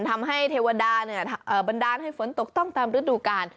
ทำให้เทวดาะบันดาห์ให้ฝนตกตั้งตามฤดูการ